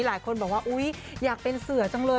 หลายคนบอกว่าอุ๊ยอยากเป็นเสือจังเลย